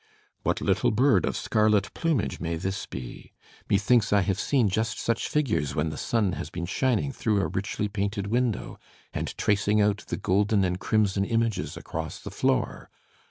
"* What little bird of scarlet plumage may this be? Me Digitized by Google HAWTHORNE 85 thinks I have seen just such figures when the sun has been shining through a richly painted window, and tracing out the golden and crimson images across the floor.